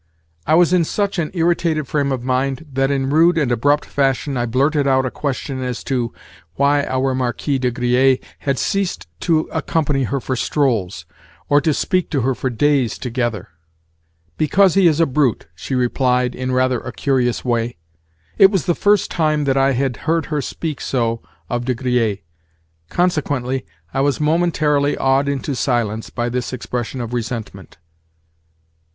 I was in such an irritated frame of mind that in rude and abrupt fashion I blurted out a question as to "why our Marquis de Griers had ceased to accompany her for strolls, or to speak to her for days together." "Because he is a brute," she replied in rather a curious way. It was the first time that I had heard her speak so of De Griers: consequently, I was momentarily awed into silence by this expression of resentment.